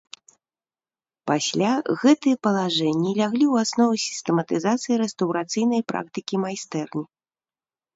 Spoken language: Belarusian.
Пасля гэтыя палажэнні ляглі ў аснову сістэматызацыі рэстаўрацыйнай практыкі майстэрні.